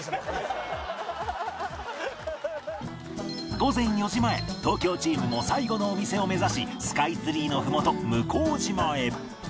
午前４時前東京チームも最後のお店を目指しスカイツリーのふもと向島へ